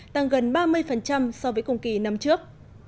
tăng gần ba mươi so với cùng kỳ năm trước